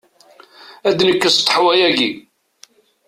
Ad nekkes ṭeḥwa-agi?